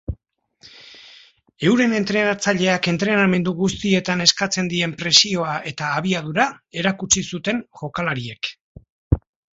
Euren entrenatzaileak entrenamendu guztietan eskatzen dien presioa eta abiadura erakutsi zuten jokalariek.